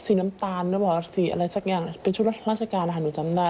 สีน้ำตาลสีอะไรสักอย่างเป็นชุดราชการหนูจำได้